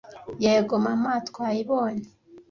Yego mama twayibonye